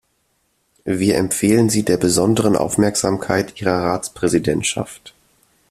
Wir empfehlen sie der besonderen Aufmerksamkeit Ihrer Ratspräsidentschaft.